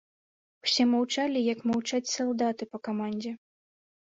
Усе маўчалі, як маўчаць салдаты па камандзе.